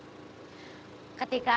saya merasa agak berpikir